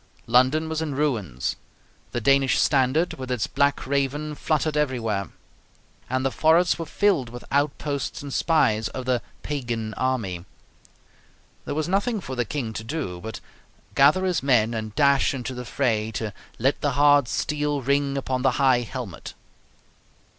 London was in ruins; the Danish standard, with its black Raven, fluttered everywhere; and the forests were filled with outposts and spies of the "pagan army." There was nothing for the King to do but gather his men and dash into the fray to "let the hard steel ring upon the high helmet."